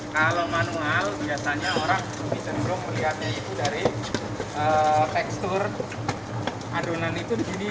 kalau manual biasanya orang bisa dulu melihatnya itu dari tekstur adonan itu begini nih